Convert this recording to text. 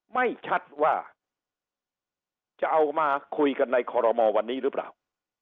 ไม่ชัดว่าจะเอามาคุยกันในคอรมอลวันนี้หรือเปล่า